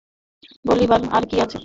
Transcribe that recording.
বলিবার আর কী আছে।